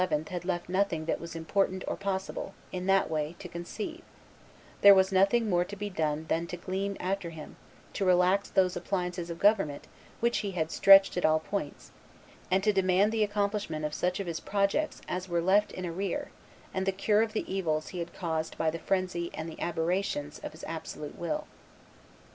had left nothing that was important or possible, in that way, to conceive; there was nothing more to be done than to glean after him, to relax those appliances of government which he had stretched at all points, and to demand the accomplishment of such of his projects as were left in arrear and the cure of the evils he had caused by the frenzy and the aberrations of his absolute will."